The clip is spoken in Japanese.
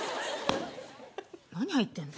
何入ってんだ。